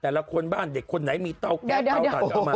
แดลค้นบ้านเด็กคนไหนมีเตากัลอ้วนแล้วเอามา